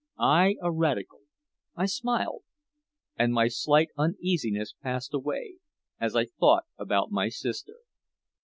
I a radical? I smiled. And my slight uneasiness passed away, as I thought about my sister.